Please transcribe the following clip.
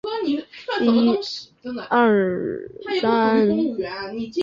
丰丘村是长野县下伊那郡北部的一村。